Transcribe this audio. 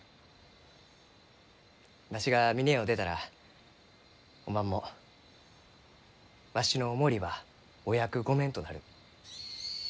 わしが峰屋を出たらおまんもわしのお守りはお役御免となる。